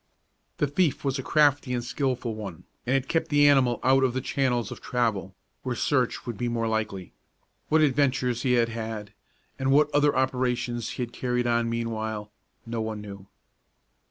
The thief was a crafty and skilful one, and had kept the animal out of the channels of travel, where search would be most likely. What adventures he had had, and what other operations he had carried on meanwhile, no one knew.